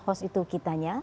host itu kitanya